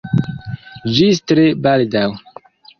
Ĝis tre baldaŭ!